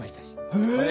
へえ！